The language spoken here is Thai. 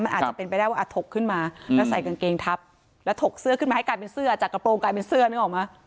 มันอาจจะเป็นไปได้ว่าอาจถกขึ้นมาแล้วใส่กางเกงทับแล้วถกเสื้อขึ้นมาให้กลายเป็นเสื้อจากกระโปรงกลายเป็นเสื้อนึกออกมา